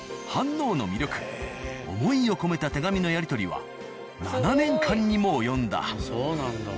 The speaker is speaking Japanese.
飯能の魅力思いを込めた手紙のやり取りは７年間にも及んだ。